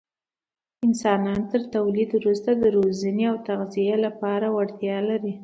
انسانان تر تولد وروسته د روزنې او تغذیې لپاره وړتیا لري.